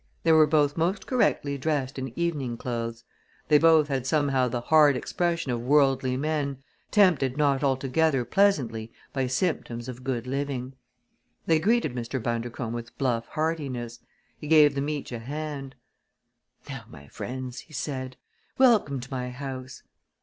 They were both most correctly dressed in evening clothes. They both had somehow the hard expression of worldly men, tempered not altogether pleasantly by symptoms of good living. They greeted Mr. Bundercombe with bluff heartiness. He gave them each a hand. "Now, my friends," he said, "welcome to my house!